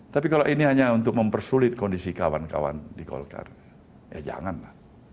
tapi kalau ini hanya untuk mempersulit kondisi kawan kawan di golkar ya janganlah